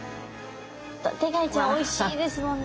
ホタテガイちゃんおいしいですもんね。